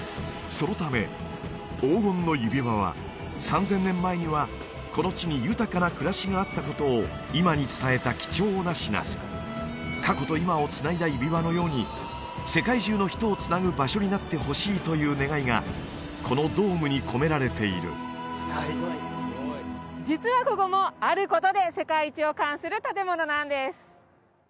そのため黄金の指輪は３０００年前にはこの地に豊かな暮らしがあったことを今に伝えた貴重な品過去と今を繋いだ指輪のように世界中の人を繋ぐ場所になってほしいという願いがこのドームに込められている実はここもあることで世界一を冠する建物なんです